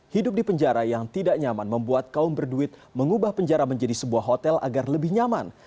hidup di penjara yang tidak nyaman membuat kaum berduit mengubah penjara menjadi sebuah hotel agar lebih nyaman